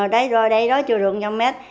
đây rồi đây đó chưa được một trăm linh mét